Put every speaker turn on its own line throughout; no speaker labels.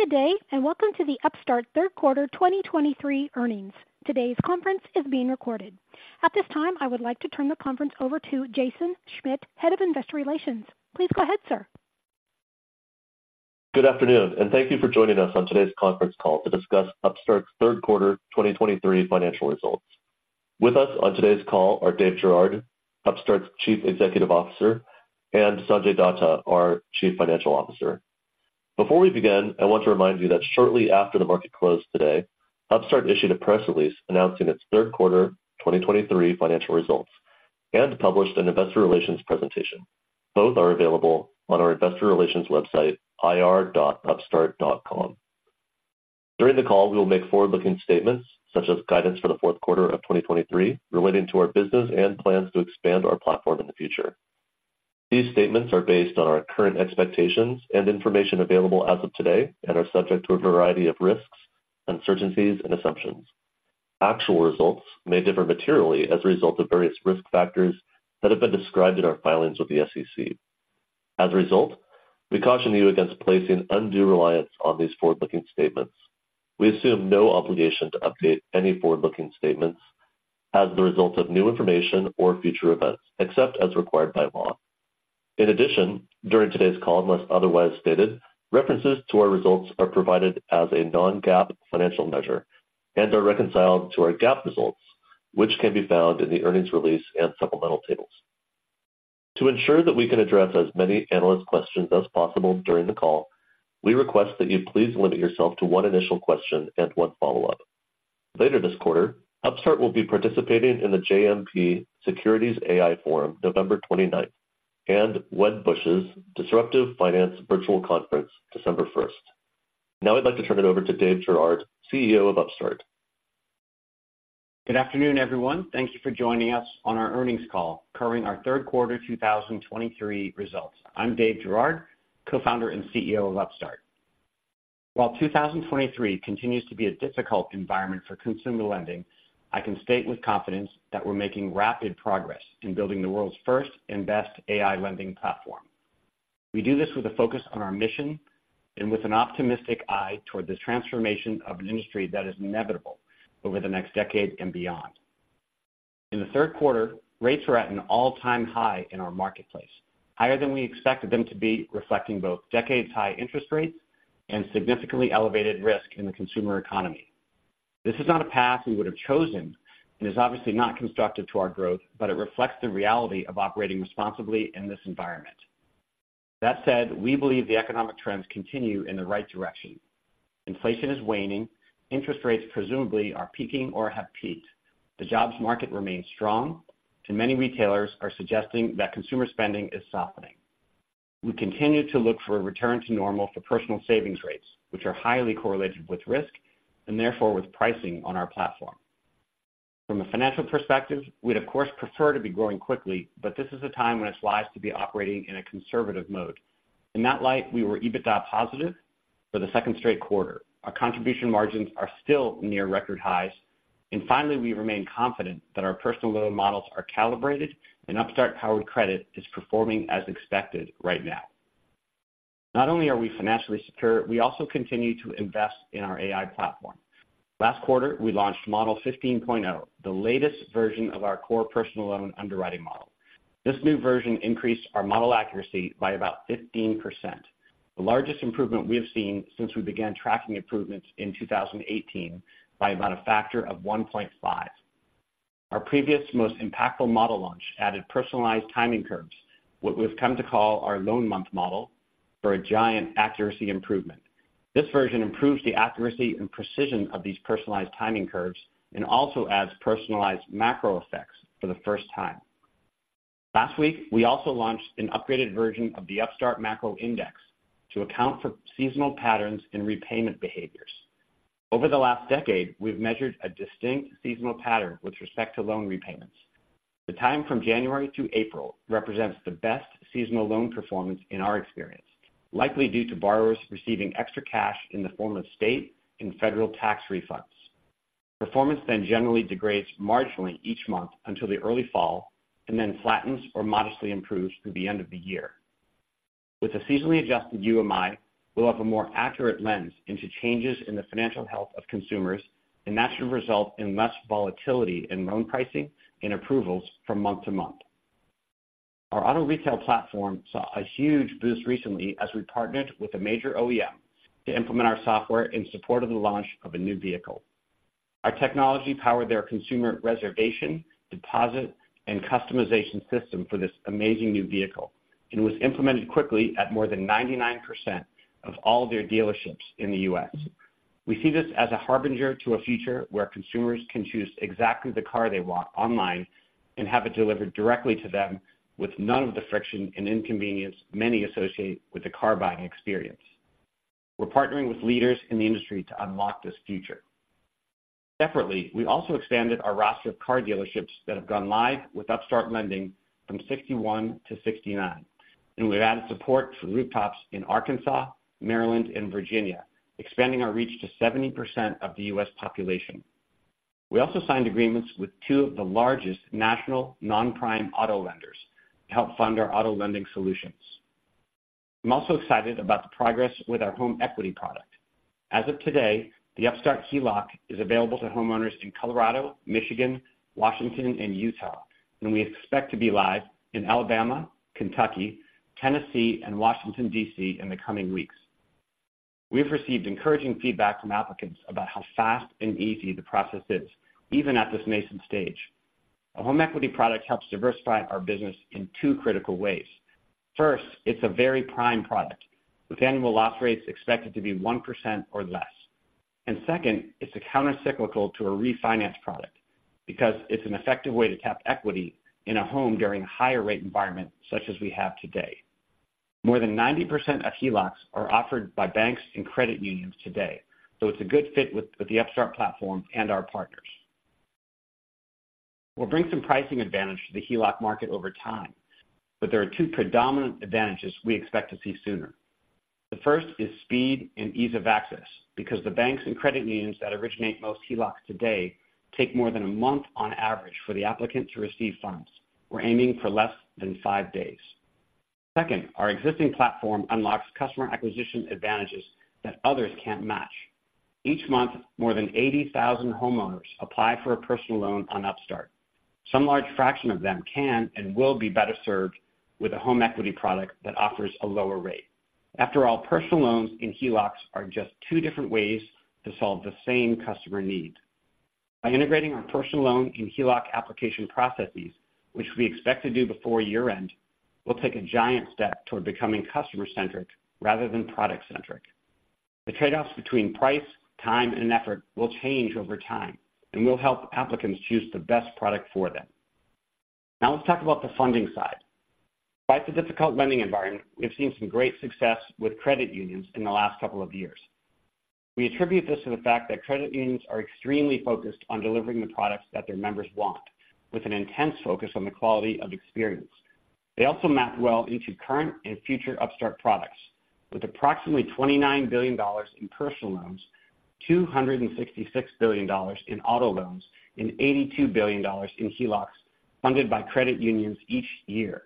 Good day, and welcome to the Upstart Third Quarter 2023 Earnings. Today's conference is being recorded. At this time, I would like to turn the conference over to Jason Schmidt, Head of Investor Relations. Please go ahead, sir.
Good afternoon, and thank you for joining us on today's conference call to discuss Upstart's third quarter 2023 financial results. With us on today's call are Dave Girouard, Upstart's Chief Executive Officer, and Sanjay Datta, our Chief Financial Officer. Before we begin, I want to remind you that shortly after the market closed today, Upstart issued a press release announcing its third quarter 2023 financial results and published an investor relations presentation. Both are available on our investor relations website, ir.upstart.com. During the call, we will make forward-looking statements, such as guidance for the fourth quarter of 2023, relating to our business and plans to expand our platform in the future. These statements are based on our current expectations and information available as of today and are subject to a variety of risks, uncertainties, and assumptions. Actual results may differ materially as a result of various risk factors that have been described in our filings with the SEC. As a result, we caution you against placing undue reliance on these forward-looking statements. We assume no obligation to update any forward-looking statements as the result of new information or future events, except as required by law. In addition, during today's call, unless otherwise stated, references to our results are provided as a non-GAAP financial measure and are reconciled to our GAAP results, which can be found in the earnings release and supplemental tables. To ensure that we can address as many analyst questions as possible during the call, we request that you please limit yourself to one initial question and one follow-up. Later this quarter, Upstart will be participating in the JMP Securities AI Forum, November 29th, and Wedbush's Disruptive Finance Virtual Conference, December 1st. Now I'd like to turn it over to Dave Girouard, CEO of Upstart.
Good afternoon, everyone. Thank you for joining us on our earnings call covering our third quarter 2023 results. I'm Dave Girouard, Co-Founder and CEO of Upstart. While 2023 continues to be a difficult environment for consumer lending, I can state with confidence that we're making rapid progress in building the world's first and best AI lending platform. We do this with a focus on our mission and with an optimistic eye toward the transformation of an industry that is inevitable over the next decade and beyond. In the third quarter, rates are at an all-time high in our marketplace, higher than we expected them to be, reflecting both decades-high interest rates and significantly elevated risk in the consumer economy. This is not a path we would have chosen and is obviously not constructive to our growth, but it reflects the reality of operating responsibly in this environment. That said, we believe the economic trends continue in the right direction. Inflation is waning. Interest rates presumably are peaking or have peaked. The jobs market remains strong, and many retailers are suggesting that consumer spending is softening. We continue to look for a return to normal for personal savings rates, which are highly correlated with risk and therefore with pricing on our platform. From a financial perspective, we'd of course prefer to be growing quickly, but this is a time when it's wise to be operating in a conservative mode. In that light, we were EBITDA positive for the second straight quarter. Our contribution margins are still near record highs. Finally, we remain confident that our personal loan models are calibrated and Upstart-powered credit is performing as expected right now. Not only are we financially secure, we also continue to invest in our AI platform. Last quarter, we launched Model 15.0, the latest version of our core personal loan underwriting model. This new version increased our model accuracy by about 15%, the largest improvement we have seen since we began tracking improvements in 2018 by about a factor of 1.5. Our previous most impactful model launch added personalized timing curves, what we've come to call our Loan Month Model, for a giant accuracy improvement. This version improves the accuracy and precision of these personalized timing curves and also adds personalized macro effects for the first time. Last week, we also launched an upgraded version of the Upstart Macro Index to account for seasonal patterns in repayment behaviors. Over the last decade, we've measured a distinct seasonal pattern with respect to loan repayments. The time from January to April represents the best seasonal loan performance in our experience, likely due to borrowers receiving extra cash in the form of state and federal tax refunds. Performance then generally degrades marginally each month until the early fall and then flattens or modestly improves through the end of the year. With the seasonally adjusted UMI, we'll have a more accurate lens into changes in the financial health of consumers, and that should result in less volatility in loan pricing and approvals from month to month. Our auto retail platform saw a huge boost recently as we partnered with a major OEM to implement our software in support of the launch of a new vehicle. Our technology powered their consumer reservation, deposit, and customization system for this amazing new vehicle and was implemented quickly at more than 99% of all their dealerships in the U.S. We see this as a harbinger to a future where consumers can choose exactly the car they want online and have it delivered directly to them with none of the friction and inconvenience many associate with the car buying experience. We're partnering with leaders in the industry to unlock this future. Separately, we also expanded our roster of car dealerships that have gone live with Upstart Lending from 61 to 69, and we've added support for rooftops in Arkansas, Maryland, and Virginia, expanding our reach to 70% of the U.S. population. We also signed agreements with two of the largest national non-prime auto lenders to help fund our auto-lending solutions. I'm also excited about the progress with our home equity product. As of today, the Upstart HELOC is available to homeowners in Colorado, Michigan, Washington, and Utah, and we expect to be live in Alabama, Kentucky, Tennessee, and Washington, D.C., in the coming weeks. We've received encouraging feedback from applicants about how fast and easy the process is, even at this nascent stage. A home equity product helps diversify our business in two critical ways. First, it's a very prime product, with annual loss rates expected to be 1% or less. And second, it's a countercyclical to a refinance product because it's an effective way to tap equity in a home during a higher rate environment, such as we have today. More than 90% of HELOCs are offered by banks and credit unions today, so it's a good fit with, with the Upstart platform and our partners. We'll bring some pricing advantage to the HELOC market over time, but there are 2 predominant advantages we expect to see sooner. The first is speed and ease of access, because the banks and credit unions that originate most HELOCs today take more than a month on average for the applicant to receive funds. We're aiming for less than 5 days. Second, our existing platform unlocks customer acquisition advantages that others can't match. Each month, more than 80,000 homeowners apply for a personal loan on Upstart. Some large fraction of them can and will be better served with a home equity product that offers a lower rate. After all, personal loans and HELOCs are just two different ways to solve the same customer need. By integrating our personal loan and HELOC application processes, which we expect to do before year-end, we'll take a giant step toward becoming customer-centric rather than product-centric. The trade-offs between price, time, and effort will change over time, and we'll help applicants choose the best product for them. Now let's talk about the funding side. Despite the difficult lending environment, we've seen some great success with credit unions in the last couple of years. We attribute this to the fact that credit unions are extremely focused on delivering the products that their members want, with an intense focus on the quality of experience. They also map well into current and future Upstart products, with approximately $29 billion in personal loans, $266 billion in auto loans, and $82 billion in HELOCs funded by credit unions each year.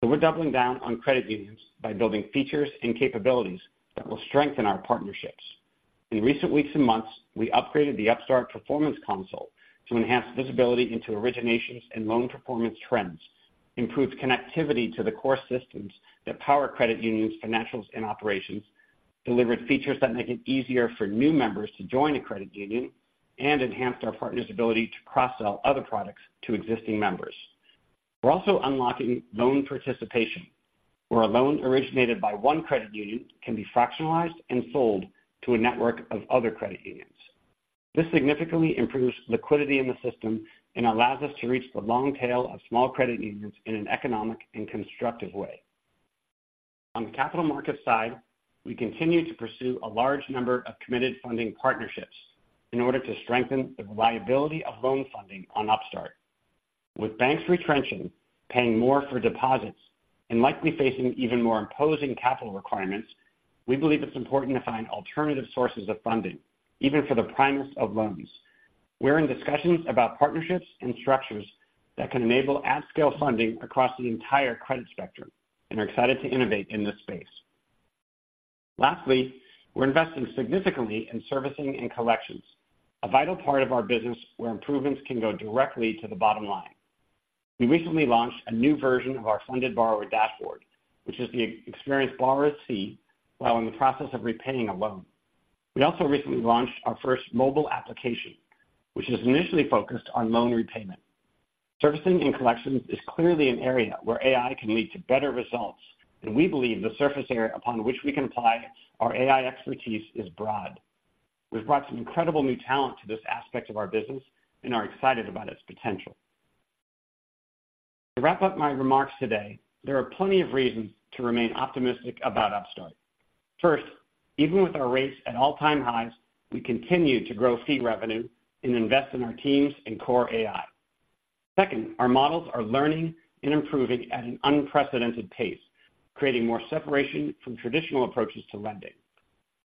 So we're doubling down on credit unions by building features and capabilities that will strengthen our partnerships. In recent weeks and months, we upgraded the Upstart Performance Console to enhance visibility into originations and loan performance trends, improved connectivity to the core systems that power credit unions' financials and operations, delivered features that make it easier for new members to join a credit union, and enhanced our partners' ability to cross-sell other products to existing members. We're also unlocking loan participation, where a loan originated by one credit union can be fractionalized and sold to a network of other credit unions. This significantly improves liquidity in the system and allows us to reach the long tail of small credit unions in an economic and constructive way. On the capital market side, we continue to pursue a large number of committed funding partnerships in order to strengthen the viability of loan funding on Upstart. With banks retrenching, paying more for deposits, and likely facing even more imposing capital requirements, we believe it's important to find alternative sources of funding, even for the primest of loans. We're in discussions about partnerships and structures that can enable at-scale funding across the entire credit spectrum and are excited to innovate in this space. Lastly, we're investing significantly in servicing and collections, a vital part of our business where improvements can go directly to the bottom line. We recently launched a new version of our Funded Borrower Dashboard, which is the experience borrowers see while in the process of repaying a loan. We also recently launched our first mobile application, which is initially focused on loan repayment. Servicing and collections is clearly an area where AI can lead to better results, and we believe the surface area upon which we can apply our AI expertise is broad. We've brought some incredible new talent to this aspect of our business and are excited about its potential. To wrap up my remarks today, there are plenty of reasons to remain optimistic about Upstart. First, even with our rates at all-time highs, we continue to grow fee revenue and invest in our teams in core AI. Second, our models are learning and improving at an unprecedented pace, creating more separation from traditional approaches to lending.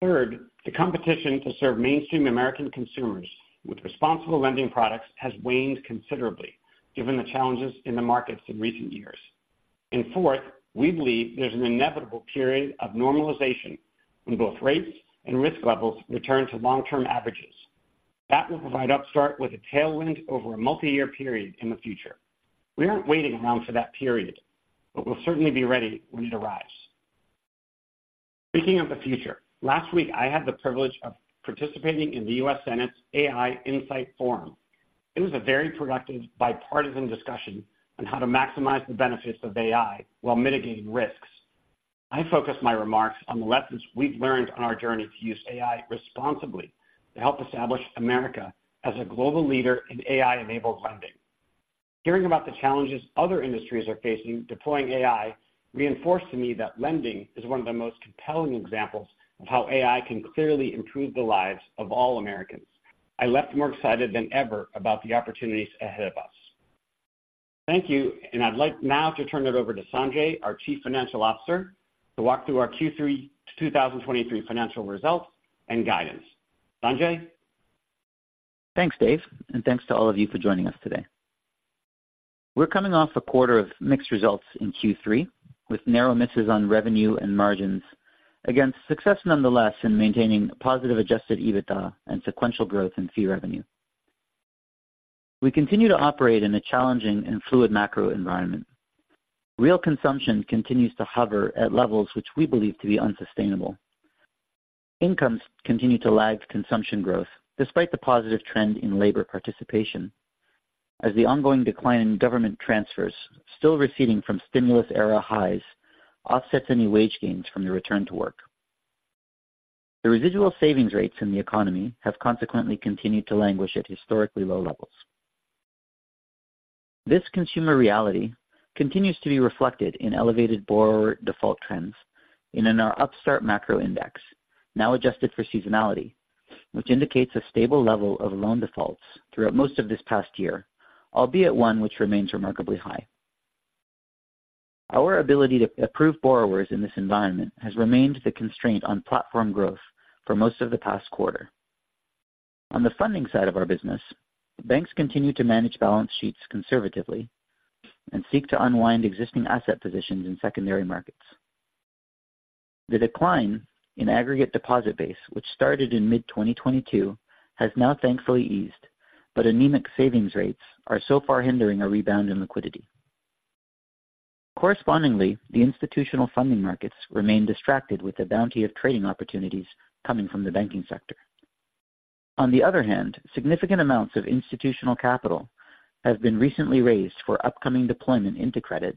Third, the competition to serve mainstream American consumers with responsible lending products has waned considerably, given the challenges in the markets in recent years. And fourth, we believe there's an inevitable period of normalization when both rates and risk levels return to long-term averages. That will provide Upstart with a tailwind over a multiyear period in the future. We aren't waiting around for that period, but we'll certainly be ready when it arrives. Speaking of the future, last week, I had the privilege of participating in the U.S. Senate's AI Insight Forum. It was a very productive bipartisan discussion on how to maximize the benefits of AI while mitigating risks. I focused my remarks on the lessons we've learned on our journey to use AI responsibly to help establish America as a global leader in AI-enabled lending. Hearing about the challenges other industries are facing deploying AI reinforced to me that lending is one of the most compelling examples of how AI can clearly improve the lives of all Americans. I left more excited than ever about the opportunities ahead of us.... Thank you. I'd like now to turn it over to Sanjay, our Chief Financial Officer, to walk through our Q3 2023 financial results and guidance. Sanjay?
Thanks, Dave, and thanks to all of you for joining us today. We're coming off a quarter of mixed results in Q3, with narrow misses on revenue and margins. Against success, nonetheless, in maintaining a positive Adjusted EBITDA and sequential growth in fee revenue. We continue to operate in a challenging and fluid macro environment. Real consumption continues to hover at levels which we believe to be unsustainable. Incomes continue to lag consumption growth, despite the positive trend in labor participation, as the ongoing decline in government transfers, still receding from stimulus-era highs, offsets any wage gains from the return to work. The residual savings rates in the economy have consequently continued to languish at historically low levels. This consumer reality continues to be reflected in elevated borrower default trends in our Upstart Macro Index, now adjusted for seasonality, which indicates a stable level of loan defaults throughout most of this past year, albeit one which remains remarkably high. Our ability to approve borrowers in this environment has remained the constraint on platform growth for most of the past quarter. On the funding side of our business, banks continue to manage balance sheets conservatively and seek to unwind existing asset positions in secondary markets. The decline in aggregate deposit base, which started in mid-2022, has now thankfully eased, but anemic savings rates are so far hindering a rebound in liquidity. Correspondingly, the institutional funding markets remain distracted with a bounty of trading opportunities coming from the banking sector. On the other hand, significant amounts of institutional capital have been recently raised for upcoming deployment into credit,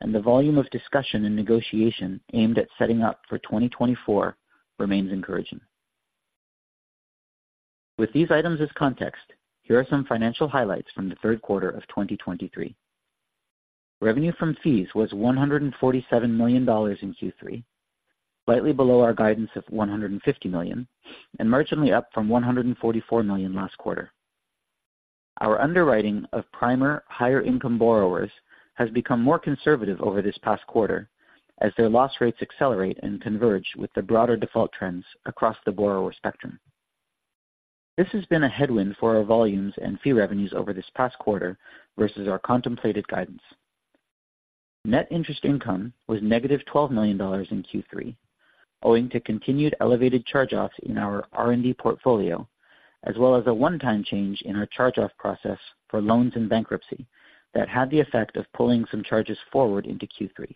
and the volume of discussion and negotiation aimed at setting up for 2024 remains encouraging. With these items as context, here are some financial highlights from the third quarter of 2023. Revenue from fees was $147 million in Q3, slightly below our guidance of $150 million, and marginally up from $144 million last quarter. Our underwriting of prime, higher-income borrowers has become more conservative over this past quarter as their loss rates accelerate and converge with the broader default trends across the borrower spectrum. This has been a headwind for our volumes and fee revenues over this past quarter versus our contemplated guidance. Net interest income was -$12 million in Q3, owing to continued elevated charge-offs in our R&D portfolio, as well as a one-time change in our charge-off process for loans and bankruptcy that had the effect of pulling some charges forward into Q3.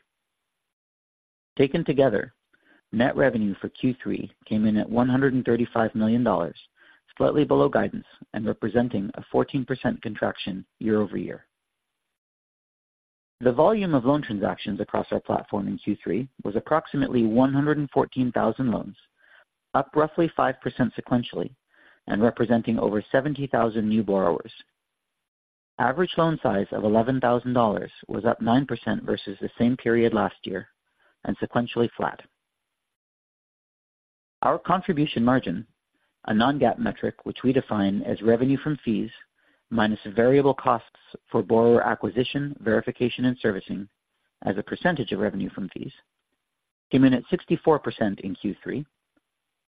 Taken together, net revenue for Q3 came in at $135 million, slightly below guidance and representing a 14% contraction year-over-year. The volume of loan transactions across our platform in Q3 was approximately 114,000 loans, up roughly 5% sequentially and representing over 70,000 new borrowers. Average loan size of $11,000 was up 9% versus the same period last year and sequentially flat. Our contribution margin, a non-GAAP metric, which we define as revenue from fees minus variable costs for borrower acquisition, verification, and servicing as a percentage of revenue from fees, came in at 64% in Q3,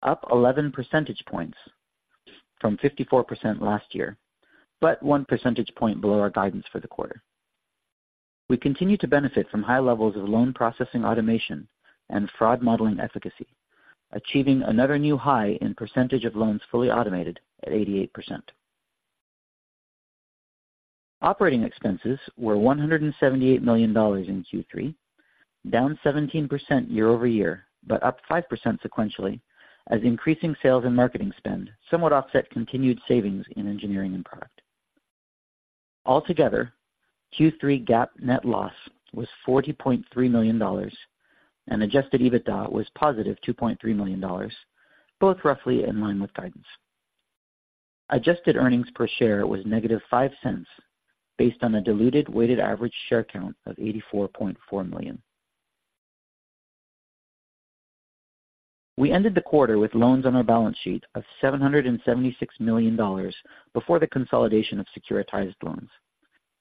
up 11% points from 54% last year, but 1% percentage point below our guidance for the quarter. We continue to benefit from high levels of loan processing, automation, and fraud modeling efficacy, achieving another new high in percentage of loans fully automated at 88%. Operating expenses were $178 million in Q3, down 17% year-over-year, but up 5% sequentially, as increasing sales and marketing spend somewhat offset continued savings in engineering and product. Altogether, Q3 GAAP net loss was $40.3 million, and adjusted EBITDA was positive $2.3 million, both roughly in line with guidance. Adjusted earnings per share was -$0.05, based on a diluted weighted average share count of 84.4 million. We ended the quarter with loans on our balance sheet of $776 million before the consolidation of securitized loans,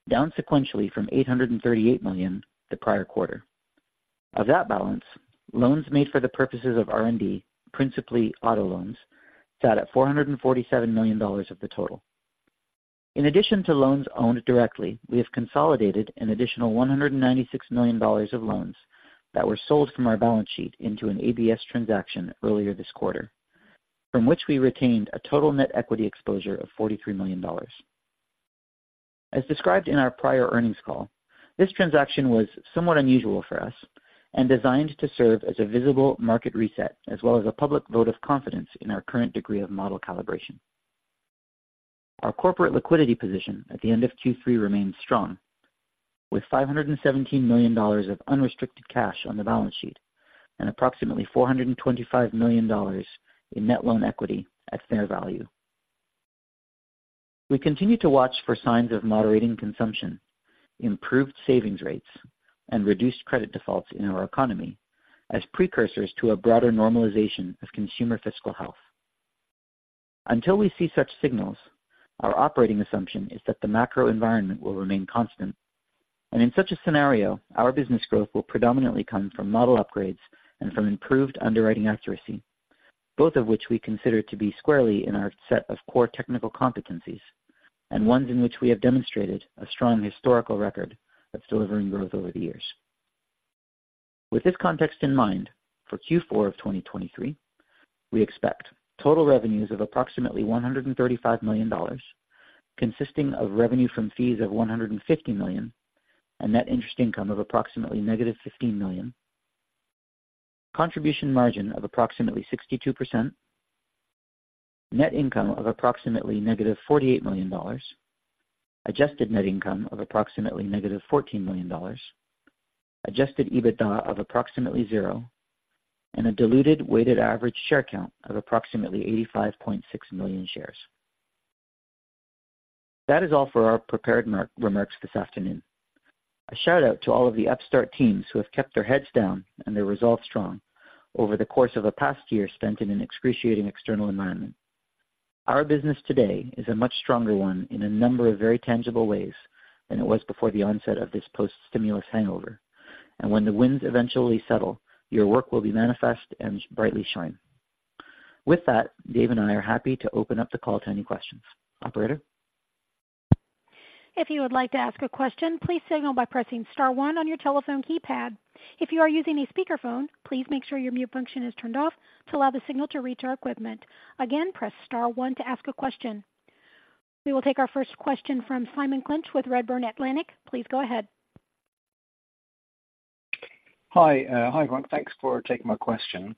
down sequentially from $838 million the prior-quarter. Of that balance, loans made for the purposes of R&D, principally auto loans, sat at $447 million of the total. In addition to loans owned directly, we have consolidated an additional $196 million of loans that were sold from our balance sheet into an ABS transaction earlier this quarter, from which we retained a total net equity exposure of $43 million. As described in our prior earnings call, this transaction was somewhat unusual for us and designed to serve as a visible market reset, as well as a public vote of confidence in our current degree of model calibration. Our corporate liquidity position at the end of Q3 remains strong, with $517 million of unrestricted cash on the balance sheet and approximately $425 million in net loan equity at fair value. We continue to watch for signs of moderating consumption, improved savings rates, and reduced credit defaults in our economy as precursors to a broader normalization of consumer fiscal health. Until we see such signals, our operating assumption is that the macro environment will remain constant. In such a scenario, our business growth will predominantly come from model upgrades and from improved underwriting accuracy, both of which we consider to be squarely in our set of core technical competencies, and ones in which we have demonstrated a strong historical record of delivering growth over the years. With this context in mind, for Q4 of 2023, we expect total revenues of approximately $135 million, consisting of revenue from fees of $150 million, a net interest income of approximately -$15 million, contribution margin of approximately 62%, net income of approximately -$48 million, adjusted net income of approximately -$14 million, Adjusted EBITDA of approximately $0, and a diluted weighted average share count of approximately 85.6 million shares. That is all for our prepared remarks this afternoon. A shout-out to all of the Upstart teams who have kept their heads down and their resolve strong over the course of a past year spent in an excruciating external environment. Our business today is a much stronger one in a number of very tangible ways than it was before the onset of this post-stimulus hangover. When the winds eventually settle, your work will be manifest and brightly shine. With that, Dave and I are happy to open up the call to any questions. Operator?
If you would like to ask a question, please signal by pressing star one on your telephone keypad. If you are using a speakerphone, please make sure your mute function is turned off to allow the signal to reach our equipment. Again, press star one to ask a question. We will take our first question from Simon Clinch with Redburn Atlantic. Please go ahead.
Hi, hi, everyone. Thanks for taking my question.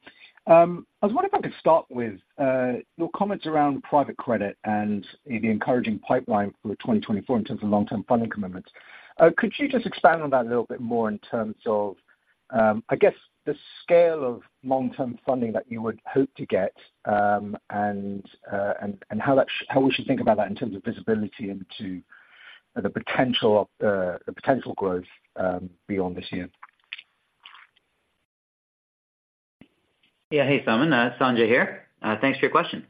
I was wondering if I could start with your comments around private credit and the encouraging pipeline for 2024 in terms of long-term funding commitments. Could you just expand on that a little bit more in terms of, I guess, the scale of long-term funding that you would hope to get, and how that- how we should think about that in terms of visibility into the potential of the potential growth beyond this year?
Yeah. Hey, Simon, Sanjay here. Thanks for your question.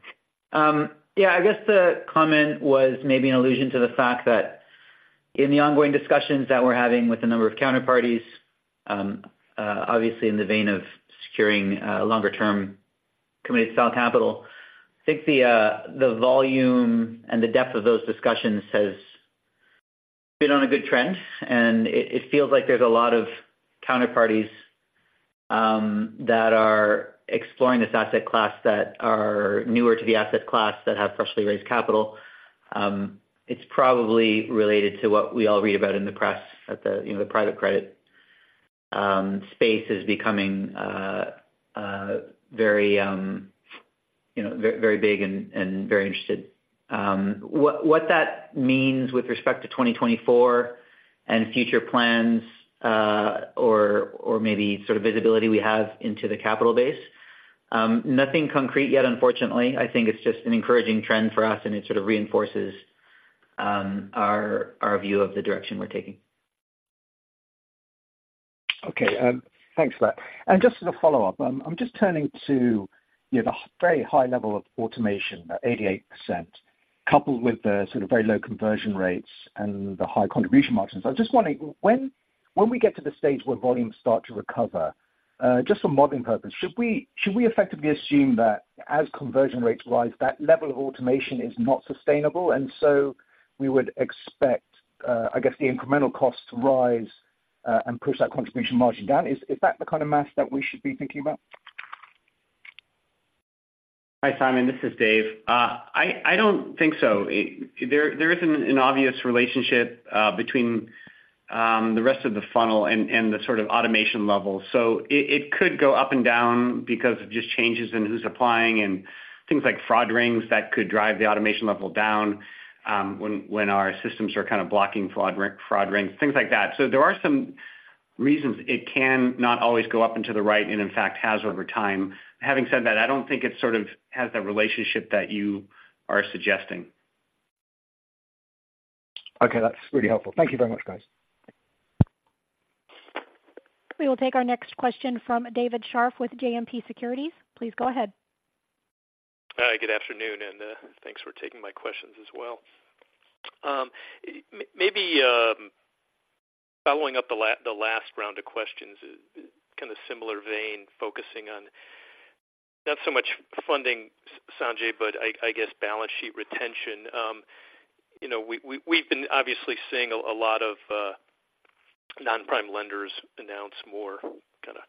Yeah, I guess the comment was maybe an allusion to the fact that in the ongoing discussions that we're having with a number of counterparties, obviously in the vein of securing longer term committed style capital, I think the volume and the depth of those discussions has been on a good trend, and it, it feels like there's a lot of counterparties that are exploring this asset class, that are newer to the asset class, that have freshly raised capital. It's probably related to what we all read about in the press, that the, you know, the private credit space is becoming very, you know, very, very big and, and very interested. What that means with respect to 2024 and future plans, or maybe sort of visibility we have into the capital base, nothing concrete yet, unfortunately. I think it's just an encouraging trend for us, and it sort of reinforces our view of the direction we're taking.
Okay, thanks for that. And just as a follow-up, I'm just turning to, you know, the very high level of automation at 88%, coupled with the sort of very low conversion rates and the high contribution margins. I'm just wondering, when we get to the stage where volumes start to recover, just for modeling purposes, should we effectively assume that as conversion rates rise, that level of automation is not sustainable, and so we would expect, I guess, the incremental costs to rise and push that contribution margin down? Is that the kind of math that we should be thinking about?
Hi, Simon, this is Dave. I don't think so. There isn't an obvious relationship between the rest of the funnel and the sort of automation level. So it could go up and down because of just changes in who's applying and things like fraud rings that could drive the automation level down when our systems are kind of blocking fraud ring, fraud rings, things like that. So there are some reasons it can not always go up into the right and, in fact, has over time. Having said that, I don't think it sort of has that relationship that you are suggesting.
Okay. That's really helpful. Thank you very much, guys.
We will take our next question from David Scharf with JMP Securities. Please go ahead.
Hi, good afternoon, and thanks for taking my questions as well. Maybe following up the last round of questions, kind of similar vein, focusing on not so much funding, Sanjay, but I guess, balance sheet retention. You know, we've been obviously seeing a lot of non-prime lenders announce more kinda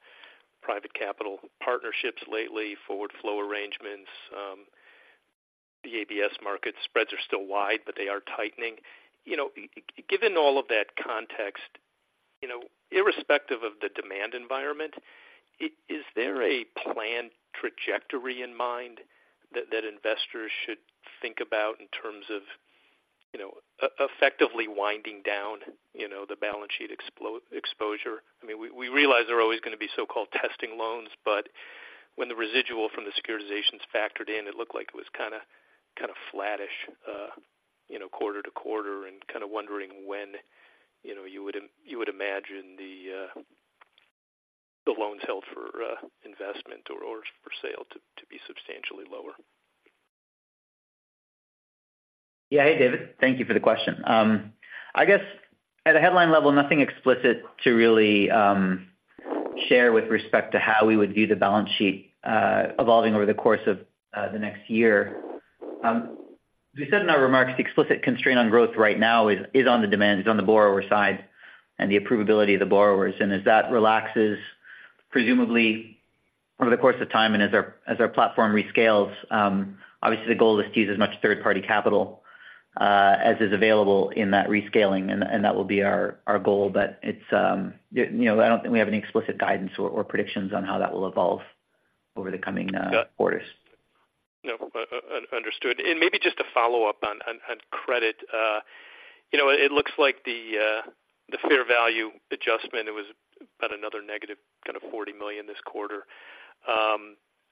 private capital partnerships lately, forward flow arrangements. The ABS market spreads are still wide, but they are tightening. You know, given all of that context, you know, irrespective of the demand environment, is there a planned trajectory in mind that investors should think about in terms of, you know, effectively winding down, you know, the balance sheet exposure? I mean, we realize there are always gonna be so-called testing loans, but when the residual from the securitizations factored in, it looked like it was kinda flattish, you know, quarter to quarter, and kinda wondering when you would imagine the loans held for investment or for sale to be substantially lower?
Yeah, hey, David, thank you for the question. I guess at a headline level, nothing explicit to really share with respect to how we would view the balance sheet evolving over the course of the next year. We said in our remarks, the explicit constraint on growth right now is on the demand, is on the borrower side and the approvability of the borrowers. As that relaxes, presumably over the course of time and as our platform rescales, obviously, the goal is to use as much third-party capital as is available in that rescaling, and that will be our goal. It's, you know, I don't think we have any explicit guidance or predictions on how that will evolve over the coming quarters.
No, understood. And maybe just to follow up on credit. You know, it looks like the fair value adjustment, it was about another negative kind of $40 million this quarter.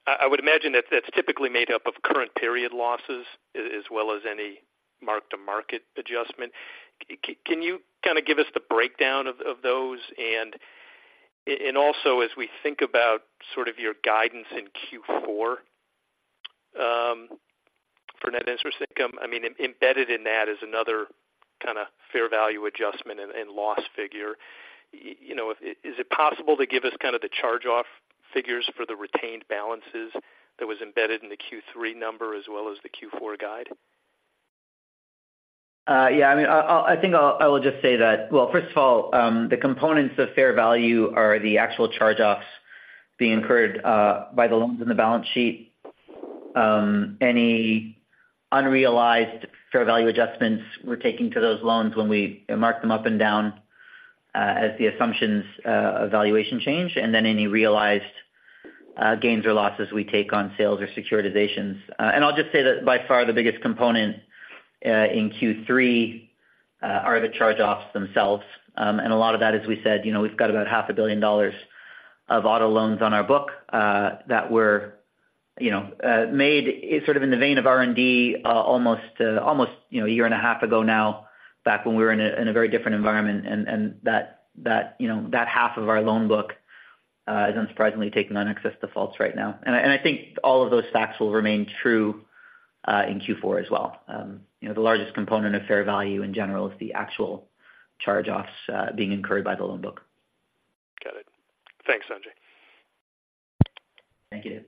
I would imagine that that's typically made up of current period losses as well as any mark-to-market adjustment. Can you kind of give us the breakdown of those? And also, as we think about sort of your guidance in Q4, for net interest income, I mean, embedded in that is another kind of fair value adjustment and loss figure. You know, is it possible to give us kind of the charge-off figures for the retained balances that was embedded in the Q3 number as well as the Q4 guide?
Yeah, I mean, I think I'll... I will just say that. Well, first of all, the components of fair value are the actual charge-offs being incurred by the loans in the balance sheet. Any unrealized fair value adjustments we're taking to those loans when we mark them up and down as the assumptions evaluation change, and then any realized gains or losses we take on sales or securitizations. And I'll just say that by far, the biggest component in Q3 are the charge-offs themselves. And a lot of that, as we said, you know, we've got about $500 million of auto loans on our book, that were, you know, made sort of in the vein of R&D, almost, almost, you know, a year and a half ago now, back when we were in a, in a very different environment. And, and that, that, you know, that half of our loan book, is unsurprisingly taking on excess defaults right now. And I, and I think all of those facts will remain true, in Q4 as well. You know, the largest component of fair value in general is the actual charge-offs, being incurred by the loan book.
Got it. Thanks, Sanjay.
Thank you.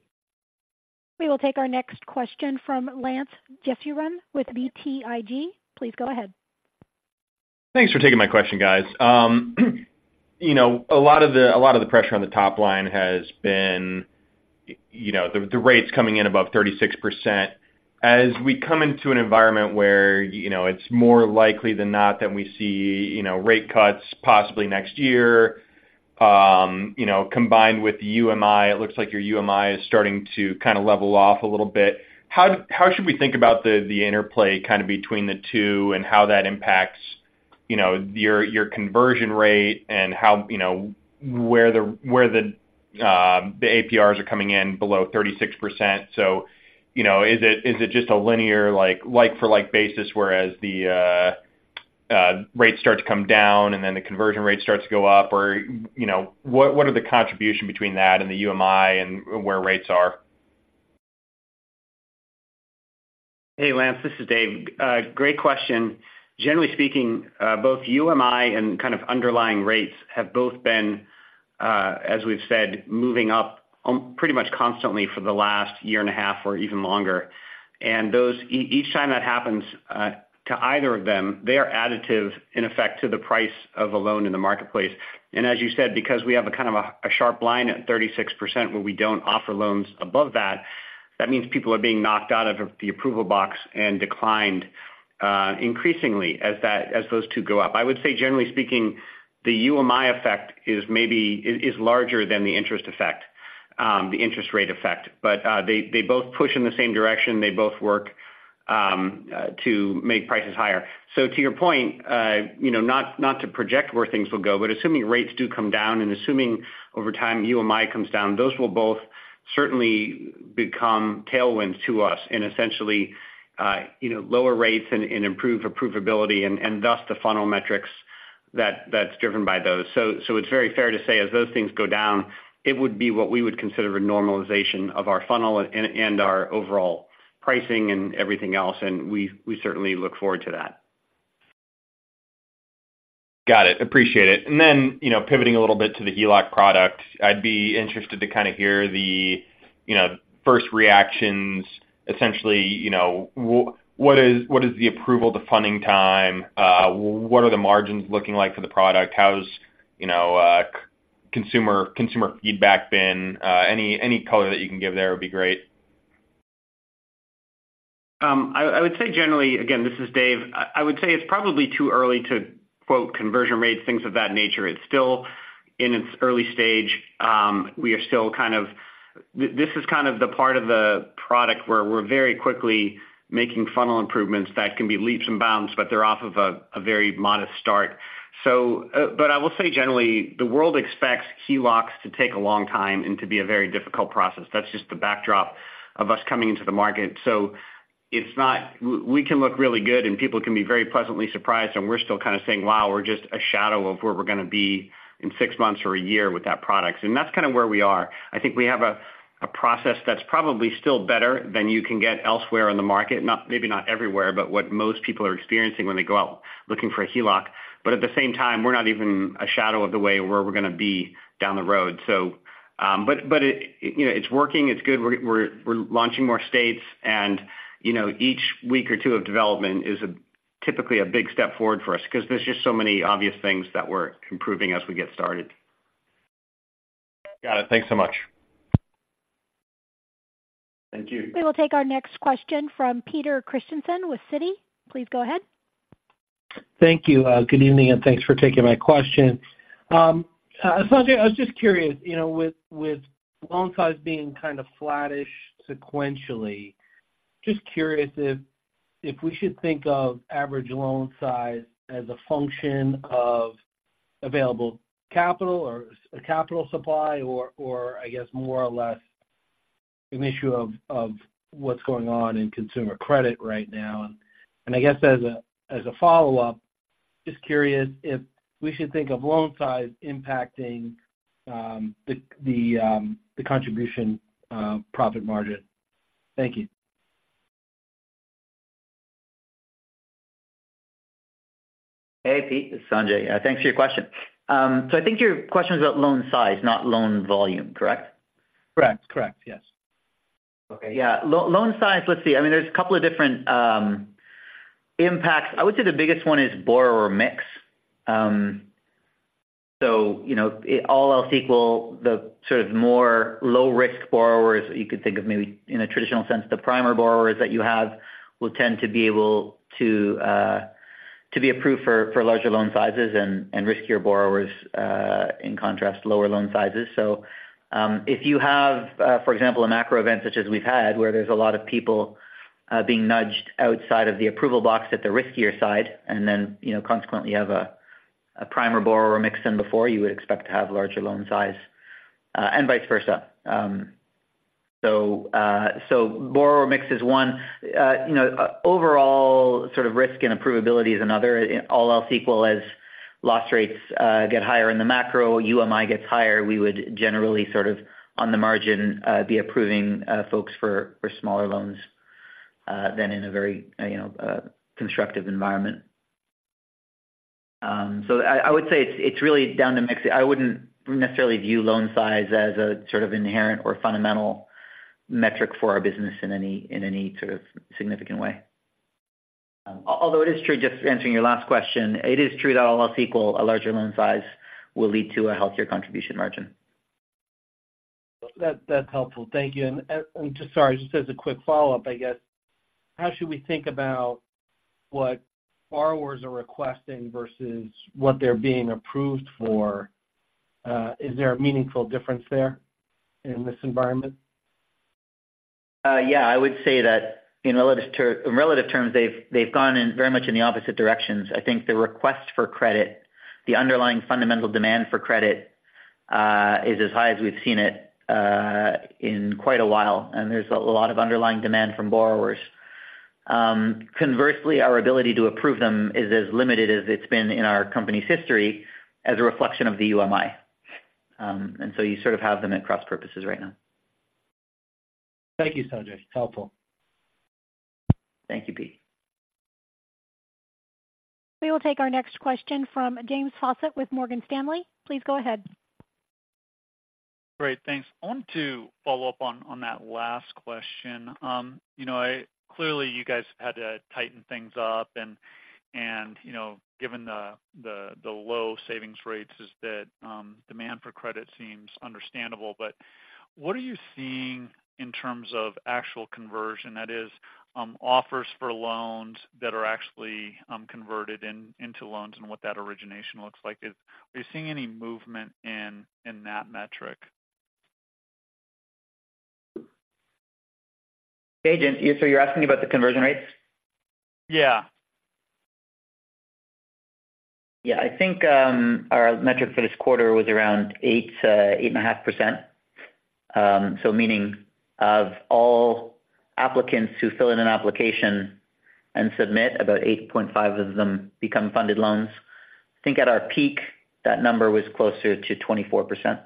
We will take our next question from Lance Jessurun with BTIG. Please go ahead.
Thanks for taking my question, guys. You know, a lot of the pressure on the top line has been, you know, the rates coming in above 36%. As we come into an environment where, you know, it's more likely than not that we see, you know, rate cuts possibly next year, you know, combined with UMI, it looks like your UMI is starting to kind of level off a little bit. How should we think about the interplay kind of between the two and how that impacts, you know, your conversion rate and how, you know, where the APRs are coming in below 36%? So, you know, is it, is it just a linear, like, like-for-like basis, whereas the rates start to come down, and then the conversion rate starts to go up? Or, you know, what, what are the contribution between that and the UMI and where rates are?
Hey, Lance, this is Dave. Great question. Generally speaking, both UMI and kind of underlying rates have both been, as we've said, moving up pretty much constantly for the last year and a half or even longer. And those... Each time that happens, to either of them, they are additive, in effect, to the price of a loan in the marketplace. And as you said, because we have a kind of a, a sharp line at 36% where we don't offer loans above that, that means people are being knocked out of the approval box and declined, increasingly as that, as those two go up. I would say, generally speaking, the UMI effect is maybe, is, is larger than the interest effect, the interest rate effect, but, they, they both push in the same direction. They both work to make prices higher. So to your point, you know, not to project where things will go, but assuming rates do come down and assuming over time UMI comes down, those will both certainly become tailwinds to us and essentially, you know, lower rates and improve approvability and thus the funnel metrics that's driven by those. So it's very fair to say as those things go down, it would be what we would consider a normalization of our funnel and our overall pricing and everything else, and we certainly look forward to that.
Got it. Appreciate it. And then, you know, pivoting a little bit to the HELOC product, I'd be interested to kind of hear the, you know, first reactions. Essentially, you know, what is the approval to funding time? What are the margins looking like for the product? How's, you know, consumer feedback been? Any color that you can give there would be great.
I would say generally, again, this is Dave. I would say it's probably too early to quote conversion rates, things of that nature. It's still in its early stage. We are still kind of... This is kind of the part of the product where we're very quickly making funnel improvements that can be leaps and bounds, but they're off of a very modest start. But I will say generally, the world expects HELOCs to take a long time and to be a very difficult process. That's just the backdrop of us coming into the market. It's not we can look really good, and people can be very pleasantly surprised, and we're still kind of saying, wow, we're just a shadow of where we're gonna be in six months or a year with that product. That's kind of where we are. I think we have a process that's probably still better than you can get elsewhere in the market, not maybe not everywhere, but what most people are experiencing when they go out looking for a HELOC. But at the same time, we're not even a shadow of the way where we're gonna be down the road. So, but it, you know, it's working. It's good. We're launching more states, and, you know, each week or two of development is typically a big step forward for us because there's just so many obvious things that we're improving as we get started.
Got it. Thanks so much.
Thank you.
We will take our next question from Peter Christiansen with Citi. Please go ahead.
Thank you. Good evening, and thanks for taking my question. Sanjay, I was just curious, you know, with loan size being kind of flattish sequentially, just curious if we should think of average loan size as a function of available capital or a capital supply, or I guess more or less an issue of what's going on in consumer credit right now. And I guess as a follow-up, just curious if we should think of loan size impacting the contribution margin. Thank you.
Hey, Pete, it's Sanjay. Thanks for your question. I think your question is about loan size, not loan volume, correct?
Correct. Correct, yes.
Okay. Yeah. Loan size, let's see. I mean, there's a couple of different impacts. I would say the biggest one is borrower mix. So you know, all else equal, the sort of more low-risk borrowers, you could think of maybe in a traditional sense, the prime borrowers that you have will tend to be able to be approved for larger loan sizes and riskier borrowers, in contrast, lower loan sizes. So if you have, for example, a macro event such as we've had, where there's a lot of people being nudged outside of the approval box at the riskier side, and then, you know, consequently, you have a prime borrower mix before, you would expect to have larger loan size, and vice versa. So borrower mix is one. You know, overall sort of risk and approvability is another. All else equal, as loss rates get higher in the macro, UMI gets higher, we would generally sort of, on the margin, be approving folks for smaller loans than in a very, you know, constructive environment. So I would say it's really down to mix. I wouldn't necessarily view loan size as a sort of inherent or fundamental metric for our business in any sort of significant way. Although it is true, just answering your last question, it is true that all else equal, a larger loan size will lead to a healthier contribution margin.
That, that's helpful. Thank you. And, I'm just- sorry, just as a quick follow-up, I guess. How should we think about what borrowers are requesting versus what they're being approved for? Is there a meaningful difference there in this environment?
Yeah, I would say that in relative terms, they've gone in very much in the opposite directions. I think the request for credit, the underlying fundamental demand for credit, is as high as we've seen it in quite a while, and there's a lot of underlying demand from borrowers. And so you sort of have them at cross purposes right now.
Thank you, Sanjay. It's helpful.
Thank you, Pete.
We will take our next question from James Faucette with Morgan Stanley. Please go ahead.
Great, thanks. I wanted to follow up on that last question. You know, I clearly, you guys had to tighten things up, and you know, given the low savings rates, demand for credit seems understandable. But what are you seeing in terms of actual conversion? That is, offers for loans that are actually converted into loans and what that origination looks like. Are you seeing any movement in that metric?
Hey, James. So you're asking about the conversion rates?
Yeah.
Yeah, I think, our metric for this quarter was around 8%-8.5%. So, meaning of all applicants who fill in an application and submit, about 8.5 of them become funded loans. I think at our peak, that number was closer to 24%.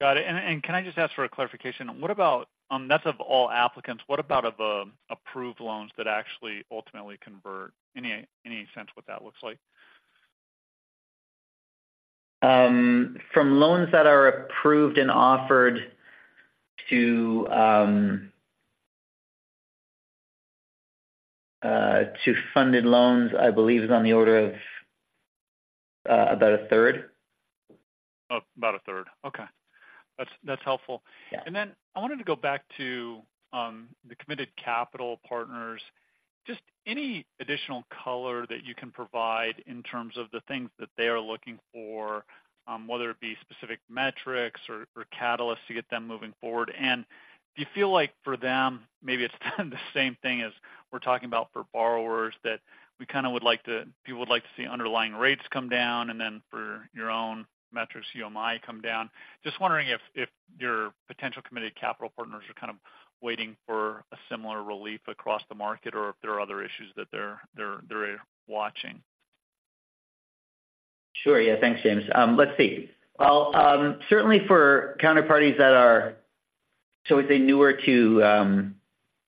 Got it. And can I just ask for a clarification? What about... That's of all applicants, what about of approved loans that actually ultimately convert? Any sense what that looks like?
From loans that are approved and offered to funded loans, I believe, is on the order of about a third.
Oh, about a third. Okay. That's, that's helpful.
Yeah.
Then I wanted to go back to the committed capital partners. Just any additional color that you can provide in terms of the things that they are looking for, whether it be specific metrics or catalysts to get them moving forward. Do you feel like for them, maybe it's the same thing as we're talking about for borrowers, that we kind of would like to, people would like to see underlying rates come down and then for your own metrics, UMI, come down. Just wondering if your potential committed capital partners are kind of waiting for a similar relief across the market, or if there are other issues that they're watching?
Sure. Yeah, thanks, James. Let's see. Well, certainly for counterparties that are, shall we say, newer to,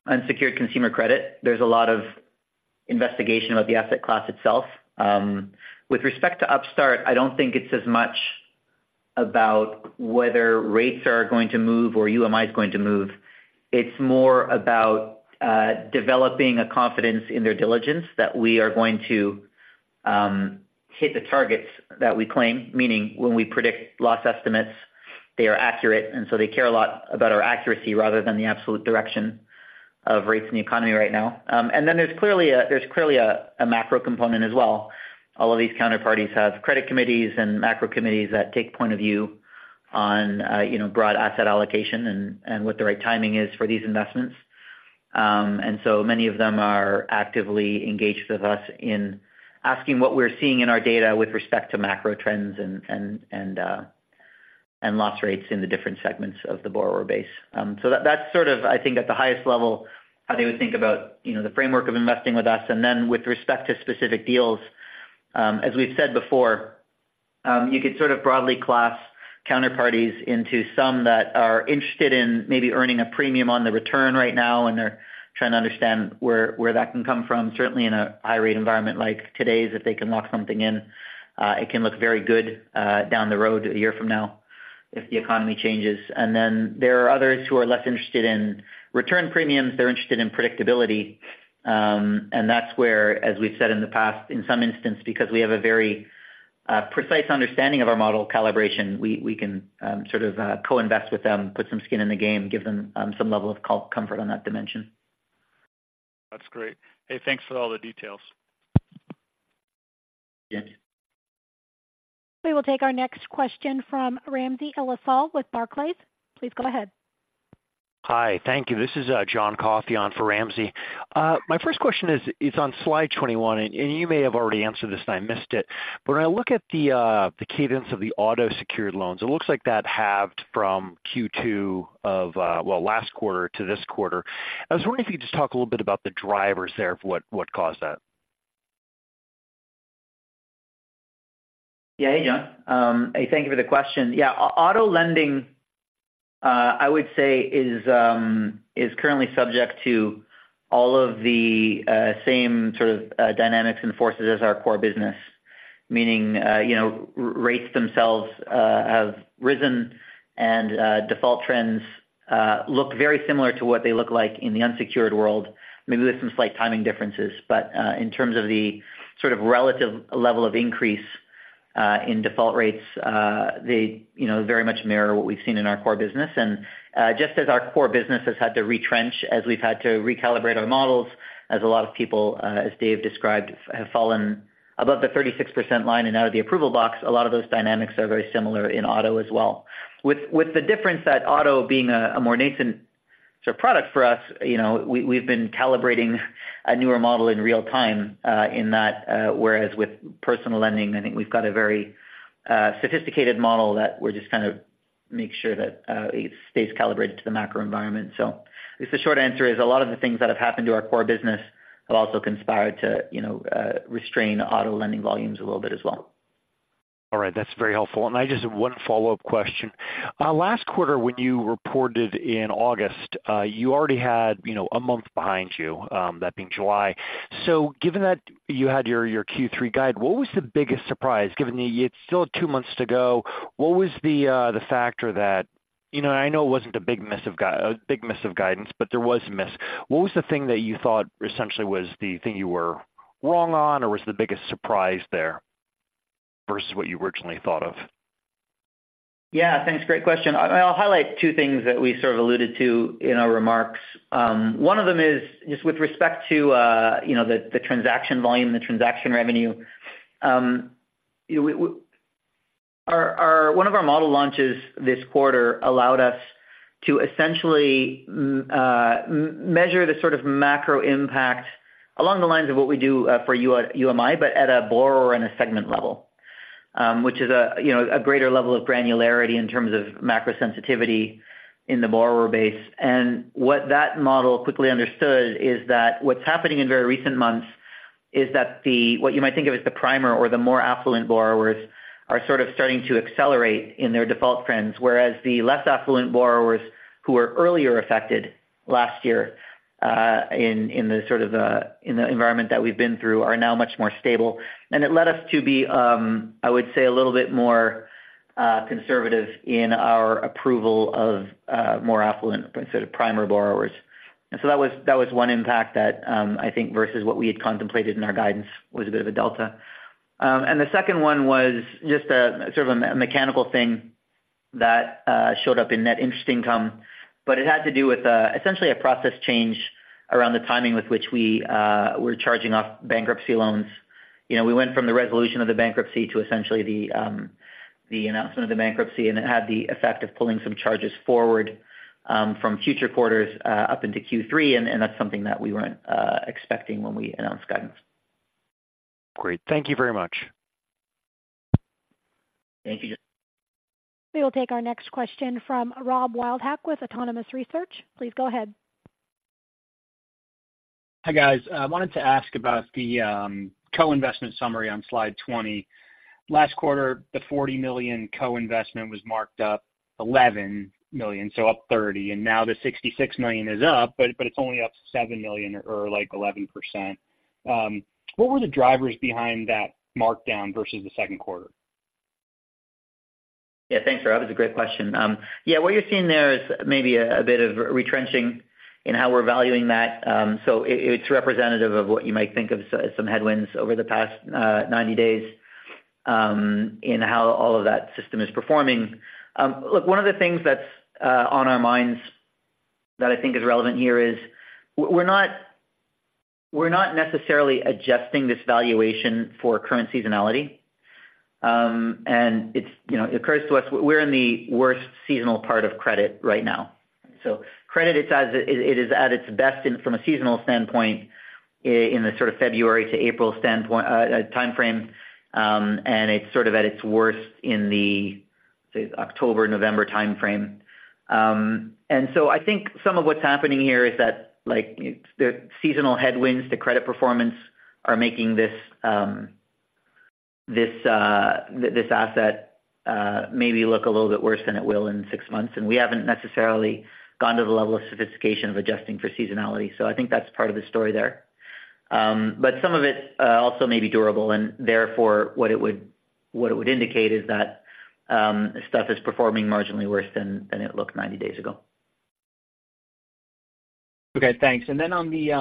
unsecured consumer credit, there's a lot of investigation about the asset class itself. With respect to Upstart, I don't think it's as much about whether rates are going to move or UMI is going to move. It's more about, developing a confidence in their diligence that we are going to, hit the targets that we claim, meaning when we predict loss estimates, they are accurate, and so they care a lot about our accuracy rather than the absolute direction of rates in the economy right now. And then there's clearly a macro component as well. All of these counterparties have credit committees and macro committees that take point of view on, you know, broad asset allocation and what the right timing is for these investments. So many of them are actively engaged with us in asking what we're seeing in our data with respect to macro trends and loss rates in the different segments of the borrower base. So that, that's sort of, I think, at the highest level, how they would think about, you know, the framework of investing with us. And then with respect to specific deals, as we've said before, you could sort of broadly classify counterparties into some that are interested in maybe earning a premium on the return right now, and they're trying to understand where that can come from. Certainly, in a high-rate environment like today's, if they can lock something in, it can look very good, down the road, a year from now, if the economy changes. And then there are others who are less interested in return premiums; they're interested in predictability. And that's where, as we've said in the past, in some instance, because we have a very precise understanding of our model calibration, we can sort of co-invest with them, put some skin in the game, give them some level of comfort on that dimension.
That's great. Hey, thanks for all the details.
Yeah.
We will take our next question from Ramsey El-Assal with Barclays. Please go ahead.
Hi, thank you. This is John Coffey on for Ramsey. My first question is on slide 21, and you may have already answered this, and I missed it. But when I look at the cadence of the auto secured loans, it looks like that halved from Q2 of last quarter to this quarter. I was wondering if you could just talk a little bit about the drivers there for what caused that?
Yeah. Hey, John. Thank you for the question. Yeah, auto lending, I would say is currently subject to all of the same sort of dynamics and forces as our core business. Meaning, you know, rates themselves have risen and default trends look very similar to what they look like in the unsecured world, maybe with some slight timing differences. But in terms of the sort of relative level of increase in default rates, they, you know, very much mirror what we've seen in our core business. Just as our core business has had to retrench, as we've had to recalibrate our models, as a lot of people, as Dave described, have fallen above the 36% line and out of the approval box, a lot of those dynamics are very similar in auto as well. With the difference that auto being a more nascent sort of product for us, you know, we've been calibrating a newer model in real time, in that, whereas with personal lending, I think we've got a very sophisticated model that we're just kind of make sure that it stays calibrated to the macro environment. So I guess the short answer is a lot of the things that have happened to our core business have also conspired to, you know, restrain auto lending volumes a little bit as well.
All right. That's very helpful. And I just have one follow-up question. Last quarter, when you reported in August, you already had, you know, a month behind you, that being July. So given that you had your, your Q3 guide, what was the biggest surprise, given that you still have two months to go, what was the factor that... You know, I know it wasn't a big miss of guidance, but there was a miss. What was the thing that you thought essentially was the thing you were wrong on, or was the biggest surprise there versus what you originally thought of?
Yeah, thanks. Great question. I'll highlight two things that we sort of alluded to in our remarks. One of them is, just with respect to, you know, the transaction volume, the transaction revenue. We, one of our model launches this quarter allowed us to essentially measure the sort of macro impact along the lines of what we do for UMI, but at a borrower and a segment level. Which is a, you know, a greater level of granularity in terms of macro sensitivity in the borrower base. What that model quickly understood is that what's happening in very recent months is that the, what you might think of as the prime or the more affluent borrowers, are sort of starting to accelerate in their default trends, whereas the less affluent borrowers, who were earlier affected last year in the sort of environment that we've been through, are now much more stable. And it led us to be, I would say, a little bit more conservative in our approval of more affluent sort of prime borrowers. And so that was one impact that I think versus what we had contemplated in our guidance, was a bit of a delta. And the second one was just a sort of a mechanical thing that showed up in net interest income, but it had to do with essentially a process change around the timing with which we were charging off bankruptcy loans. You know, we went from the resolution of the bankruptcy to essentially the announcement of the bankruptcy, and it had the effect of pulling some charges forward from future quarters up into Q3, and that's something that we weren't expecting when we announced guidance.
Great. Thank you very much.
Thank you.
We will take our next question from Rob Wildhack with Autonomous Research. Please go ahead.
Hi, guys. I wanted to ask about the co-investment summary on slide 20. Last quarter, the $40 million co-investment was marked up $11 million, so up 30, and now the $66 million is up, but it's only up $7 million or, like, 11%. What were the drivers behind that markdown versus the second quarter?
Yeah, thanks, Rob. That's a great question. Yeah, what you're seeing there is maybe a bit of retrenching in how we're valuing that. So it's representative of what you might think of as some headwinds over the past 90 days in how all of that system is performing. Look, one of the things that's on our minds that I think is relevant here is we're not necessarily adjusting this valuation for current seasonality. And it's, you know, it occurs to us, we're in the worst seasonal part of credit right now. So credit, it's at its best from a seasonal standpoint in the sort of February to April standpoint timeframe, and it's sort of at its worst in the say October, November timeframe. And so I think some of what's happening here is that, like, the seasonal headwinds, the credit performance are making this asset maybe look a little bit worse than it will in six months, and we haven't necessarily gone to the level of sophistication of adjusting for seasonality. So I think that's part of the story there. But some of it also may be durable, and therefore, what it would indicate is that stuff is performing marginally worse than it looked 90 days ago.
Okay, thanks. And then on the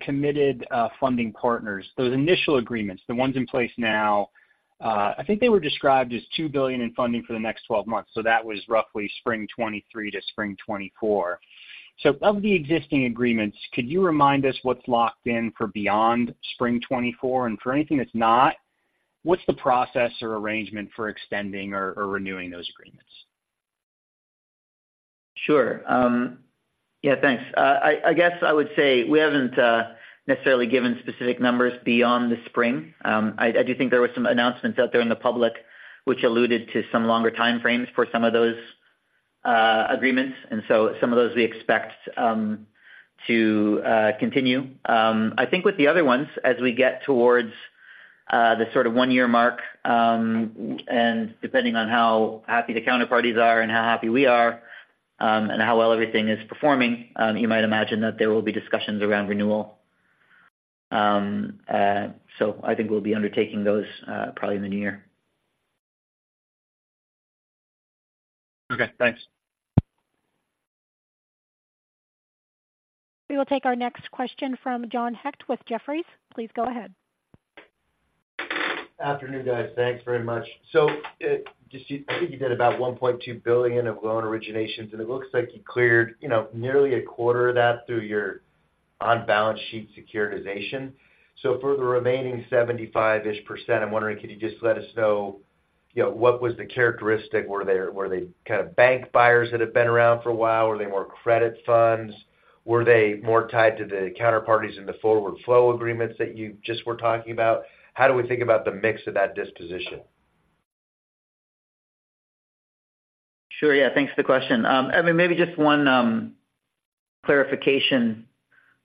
committed funding partners, those initial agreements, the ones in place now, I think they were described as $2 billion in funding for the next 12 months, so that was roughly spring 2023 to spring 2024. So of the existing agreements, could you remind us what's locked in for beyond spring 2024? And for anything that's not, what's the process or arrangement for extending or renewing those agreements?
Sure. Yeah, thanks. I guess I would say we haven't necessarily given specific numbers beyond the spring. I do think there were some announcements out there in the public which alluded to some longer timeframes for some of those agreements, and so some of those we expect to continue. I think with the other ones, as we get towards the sort of one-year mark, and depending on how happy the counterparties are and how happy we are, and how well everything is performing, you might imagine that there will be discussions around renewal. So I think we'll be undertaking those, probably in the new year.
Okay, thanks.
We will take our next question from John Hecht with Jefferies. Please go ahead.
Afternoon, guys. Thanks very much. So, I think you did about $1.2 billion of loan originations, and it looks like you cleared, you know, nearly a quarter of that through your on-balance sheet securitization. So for the remaining 75-ish%, I'm wondering, could you just let us know, you know, what was the characteristic? Were they, were they kind of bank buyers that have been around for a while? Were they more credit funds? Were they more tied to the counterparties in the forward flow agreements that you just were talking about? How do we think about the mix of that disposition?
Sure. Yeah, thanks for the question. I mean, maybe just one clarification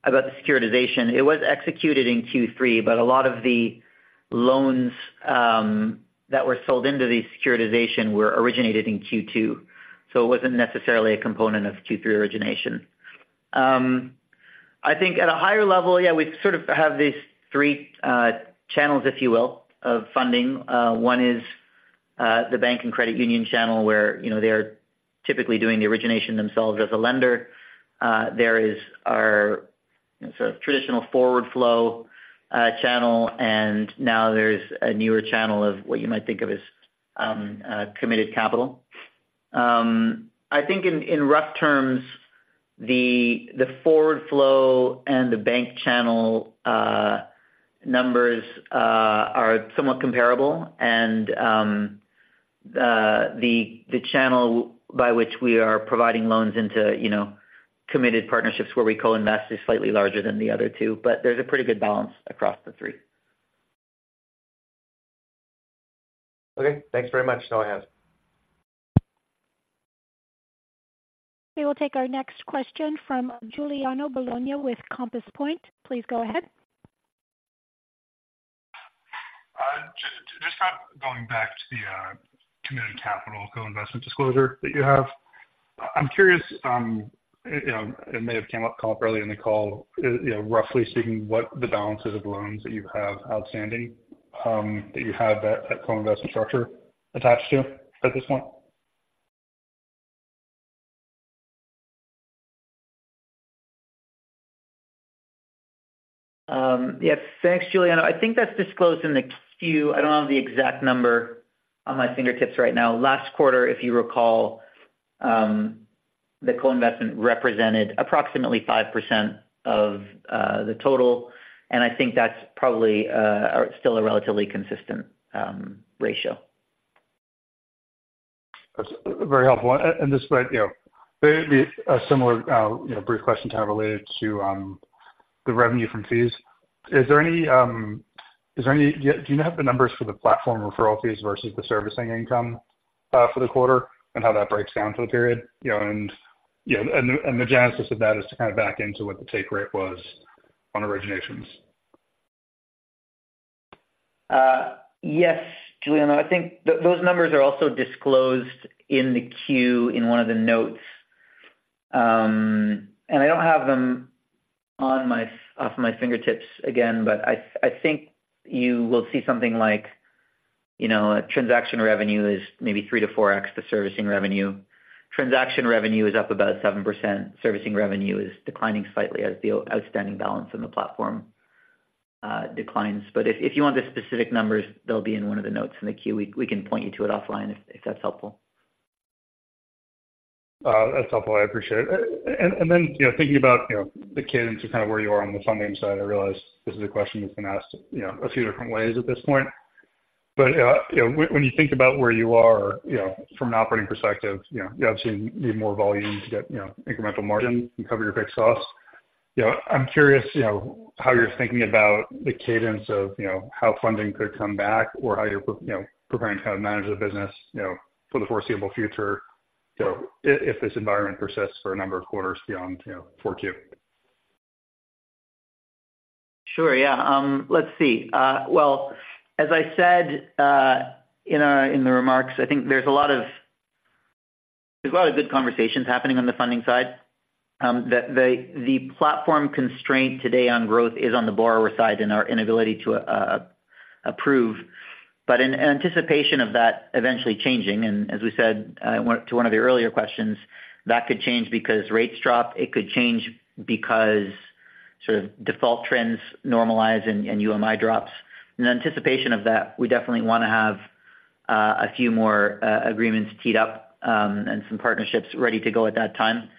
about the securitization. It was executed in Q3, but a lot of the loans that were sold into the securitization were originated in Q2, so it wasn't necessarily a component of Q3 origination. I think at a higher level, yeah, we sort of have these three channels, if you will, of funding. One is the bank and credit union channel, where, you know, they are typically doing the origination themselves as a lender. There is our sort of traditional forward flow channel, and now there's a newer channel of what you might think of as committed capital. I think in rough terms, the forward flow and the bank channel numbers are somewhat comparable, and the channel by which we are providing loans into, you know, committed partnerships where we co-invest is slightly larger than the other two, but there's a pretty good balance across the three.
Okay, thanks very much. No other hands.
We will take our next question from Giuliano Bologna with Compass Point. Please go ahead.
Just kind of going back to the committed capital co-investment disclosure that you have. I'm curious, you know, it may have come up early in the call, you know, roughly speaking, what the balances of loans that you have outstanding, that you have that co-investment structure attached to at this point?
Yes, thanks, Giuliano. I think that's disclosed in the SKU. I don't have the exact number on my fingertips right now. Last quarter, if you recall, the co-investment represented approximately 5% of the total, and I think that's probably still a relatively consistent ratio.
That's very helpful. And this might, you know, be a similar, you know, brief question to how related to the revenue from fees. Is there any, do you have the numbers for the platform referral fees versus the servicing income for the quarter, and how that breaks down for the period? You know, and the genesis of that is to kind of back into what the take rate was on originations.
Yes, Giuliano, I think those numbers are also disclosed in the queue in one of the notes. And I don't have them at my fingertips again, but I think you will see something like, you know, transaction revenue is maybe 3-4x the servicing revenue. Transaction revenue is up about 7%. Servicing revenue is declining slightly as the outstanding balance in the platform declines. But if you want the specific numbers, they'll be in one of the notes in the queue. We can point you to it offline if that's helpful.
That's helpful. I appreciate it. And then, you know, thinking about, you know, the cadence of kind of where you are on the funding side, I realize this is a question that's been asked, you know, a few different ways at this point. But, you know, when you think about where you are, you know, from an operating perspective, you know, you obviously need more volume to get, you know, incremental margin and cover your fixed costs. You know, I'm curious, you know, how you're thinking about the cadence of, you know, how funding could come back or how you're, you know, preparing to kind of manage the business, you know, for the foreseeable future, so if this environment persists for a number of quarters beyond, you know, 4Q.
Sure. Yeah. Let's see. Well, as I said, in our, in the remarks, I think there's a lot of, there's a lot of good conversations happening on the funding side. The platform constraint today on growth is on the borrower side and our inability to approve. But in anticipation of that eventually changing, and as we said, to one of the earlier questions, that could change because rates drop. It could change because sort of default trends normalize and UMI drops. In anticipation of that, we definitely wanna have a few more agreements teed up and some partnerships ready to go at that time.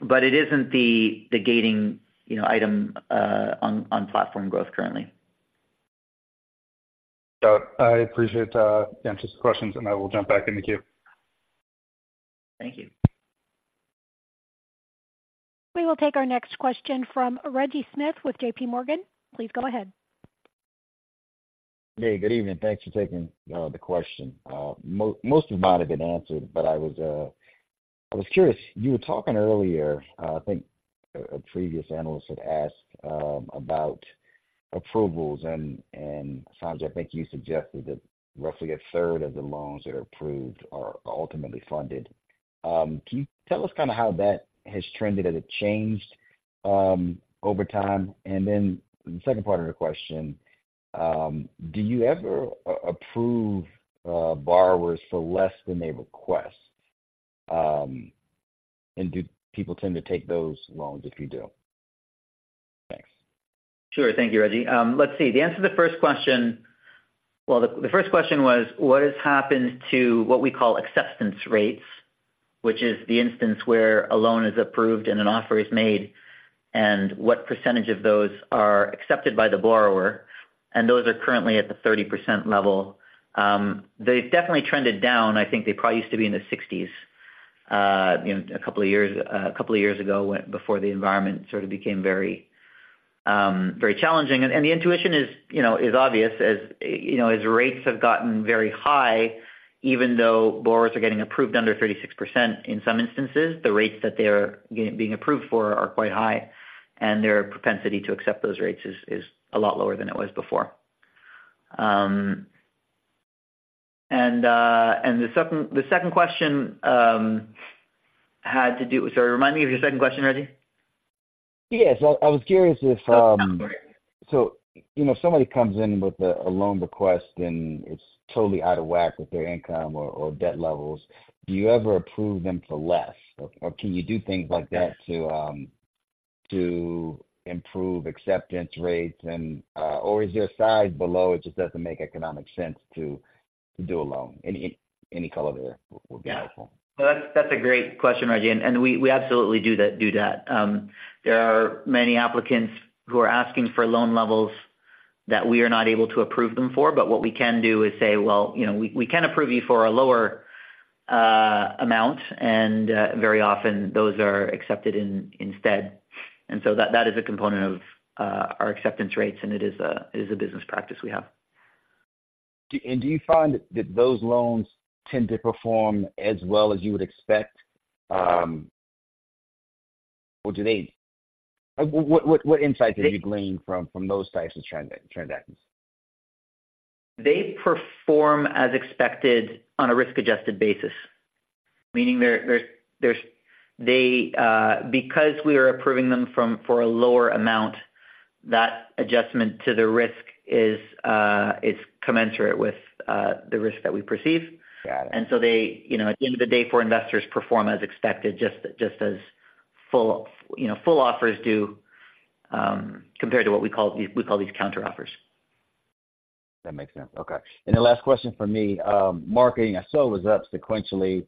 But it isn't the gating, you know, item on platform growth currently.
I appreciate the answers to the questions, and I will jump back in the queue.
Thank you.
We will take our next question from Reggie Smith with J.P. Morgan. Please go ahead.
Hey, good evening. Thanks for taking the question. Most of mine have been answered, but I was curious. You were talking earlier. I think a previous analyst had asked about approvals and Sanjay. I think you suggested that roughly a third of the loans that are approved are ultimately funded. Can you tell us kinda how that has trended? Has it changed over time? And then the second part of the question, do you ever approve borrowers for less than they request? And do people tend to take those loans if you do? Thanks.
Sure. Thank you, Reggie. Let's see. The answer to the first question... Well, the first question was, what has happened to what we call acceptance rates, which is the instance where a loan is approved and an offer is made, and what percentage of those are accepted by the borrower, and those are currently at the 30% level. They've definitely trended down. I think they probably used to be in the 60s, you know, a couple of years, a couple of years ago, when, before the environment sort of became very, very challenging. And the intuition is, you know, obvious. As you know, as rates have gotten very high, even though borrowers are getting approved under 36%, in some instances, the rates that they're being approved for are quite high, and their propensity to accept those rates is a lot lower than it was before. And the second question had to do... Sorry, remind me of your second question, Reggie.
Yes. I was curious if,
Oh, sorry.
So, you know, somebody comes in with a loan request, and it's totally out of whack with their income or debt levels. Do you ever approve them for less? Or can you do things like that to improve acceptance rates... or is there a size below it just doesn't make economic sense to do a loan? Any color there would be helpful.
That's a great question, Reggie. We absolutely do that. There are many applicants who are asking for loan levels that we are not able to approve them for, but what we can do is say, "Well, you know, we can approve you for a lower amount," and very often those are accepted instead. So that is a component of our acceptance rates, and it is a business practice we have.
And do you find that those loans tend to perform as well as you would expect, or do they... What insights have you gleaned from those types of transactions?
They perform as expected on a risk-adjusted basis. Meaning, they because we are approving them for a lower amount, that adjustment to the risk is commensurate with the risk that we perceive.
Got it.
And so they, you know, at the end of the day, for investors, perform as expected, just as full, you know, full offers do, compared to what we call these counteroffers.
That makes sense. Okay. And the last question for me, marketing, I saw, was up sequentially.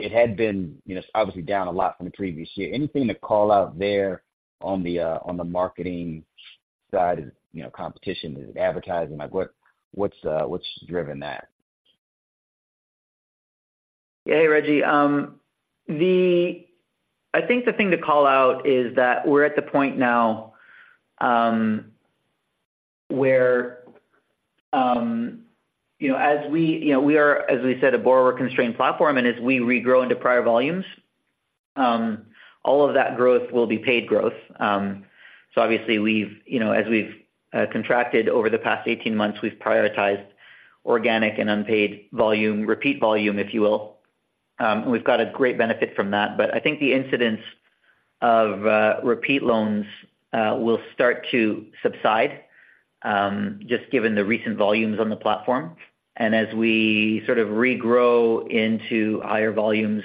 It had been, you know, obviously down a lot from the previous year. Anything to call out there on the marketing side, you know, competition and advertising? Like, what's driven that?
Yeah, Reggie. I think the thing to call out is that we're at the point now, where, you know, as we—you know, we are, as we said, a borrower-constrained platform, and as we regrow into prior volumes, all of that growth will be paid growth. So obviously we've, you know, as we've, contracted over the past 18 months, we've prioritized organic and unpaid volume, repeat volume, if you will. We've got a great benefit from that, but I think the incidence of, repeat loans, will start to subside, just given the recent volumes on the platform. And as we sort of regrow into higher volumes,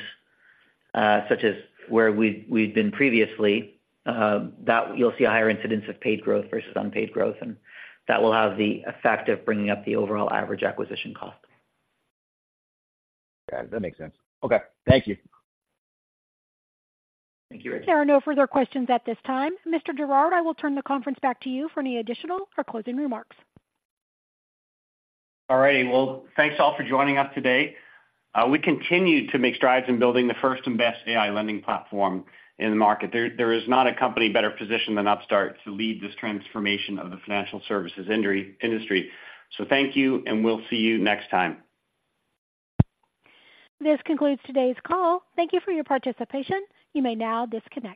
such as where we've been previously, that you'll see a higher incidence of paid growth versus unpaid growth, and that will have the effect of bringing up the overall average acquisition cost.
Yeah, that makes sense. Okay. Thank you.
Thank you, Reggie.
There are no further questions at this time. Mr. Girouard, I will turn the conference back to you for any additional or closing remarks.
All right. Well, thanks, all, for joining us today. We continue to make strides in building the first and best AI lending platform in the market. There is not a company better positioned than Upstart to lead this transformation of the financial services industry. So thank you, and we'll see you next time.
This concludes today's call. Thank you for your participation. You may now disconnect.